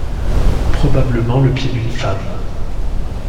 Probablement le pied d’une femme.